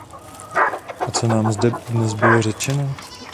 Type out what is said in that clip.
A co nám zde dnes bylo řečeno?